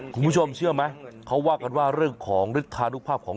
คุณผู้ชมเชื่อไหมเขาว่ากันว่าเรื่องของฤทธานุภาพของ